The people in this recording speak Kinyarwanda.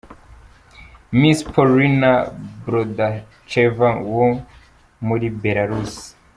Miss Polina Borodacheva wo muri Belarus.